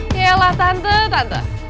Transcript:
yalah tante tante